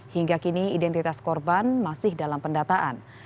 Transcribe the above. hingga kini identitas korban masih dalam pendataan